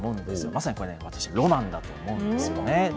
まさにこれ、私、ロマンだと思うんですよね。